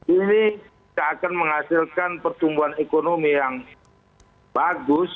ini tidak akan menghasilkan pertumbuhan ekonomi yang bagus